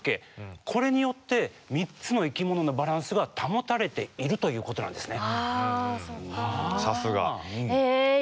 これによって３つの生きもののバランスが保たれているということなんですね。